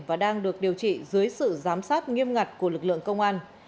và đang được điều trị dưới sự giám sát nghiêm ngặt của lực lượng công an